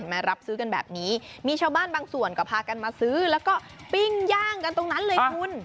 มารับซื้อกันแบบนี้มีชาวบ้านบางส่วนก็พากันมาซื้อแล้วก็ปิ้งย่างกันตรงนั้นเลยคุณ